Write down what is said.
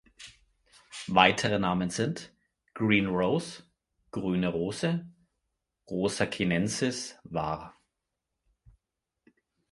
Weitere Namen sind: 'Green Rose', 'Grüne Rose', "Rosa chinensis" var.